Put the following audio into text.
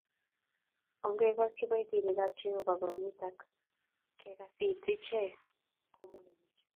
Ongekochi kiboitink ab Jehovah konyit ak kekasit ichek kwomtowech